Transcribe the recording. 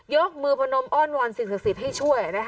กมือพนมอ้อนวอนสิ่งศักดิ์สิทธิ์ให้ช่วย